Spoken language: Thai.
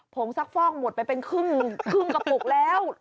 งซักฟอกหมดไปเป็นครึ่งกระปุกแล้ว